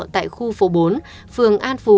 tại khu phố bốn phường an phú